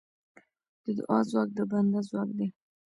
د دعا ځواک د بنده ځواک دی.